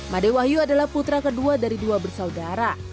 made wahyu adalah putra kedua dari dua bersaudara